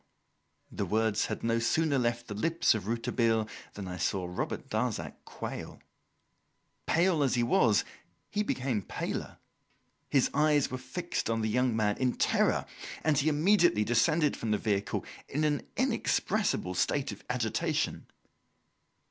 The words had no sooner left the lips of Rouletabille than I saw Robert Darzac quail. Pale as he was, he became paler. His eyes were fixed on the young man in terror, and he immediately descended from the vehicle in an inexpressible state of agitation.